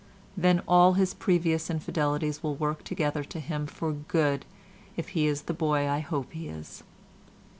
Then all his previous infidelities will work together to him for good if he is the boy I hope he is.